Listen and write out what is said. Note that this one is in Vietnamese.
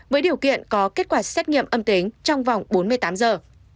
với điều kiện có kết quả xét nghiệm âm tính trong vòng bốn mươi tám giờ